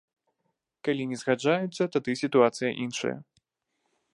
Калі не згаджаюцца, тады сітуацыя іншая.